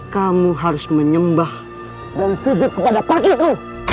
kamu harus menyembah dan sedih kepada pakiku